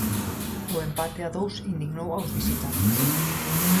O empate a dous indignou aos visitantes.